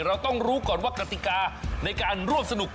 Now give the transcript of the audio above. เราต้องรู้ก่อนว่ากติกาในการร่วมสนุก